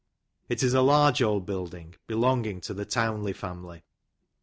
It is a large old building, belonging to the Townley family.